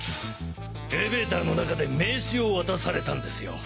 エレベーターの中で名刺を渡されたんですよ。